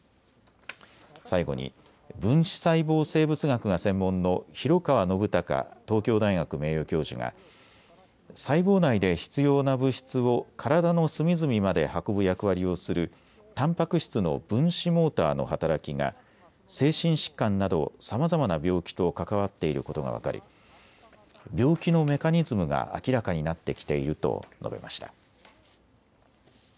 最後に分子細胞生物学が専門の廣川信隆東京大学名誉教授が細胞内で必要な物質を体の隅々まで運ぶ役割をするたんぱく質の分子モーターの働きが精神疾患などさまざまな病気と関わっていることが分かり病気のメカニズムが明らかになってきていると述べました。